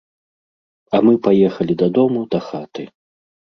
А мы паехалі дадому, да хаты.